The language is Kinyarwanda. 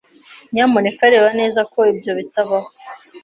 Nyamuneka reba neza ko ibyo bitabaho.